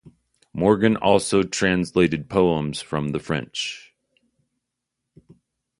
Morgan also translated poems from the French.